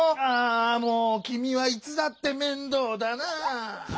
ああもうきみはいつだってめんどうだなぁ。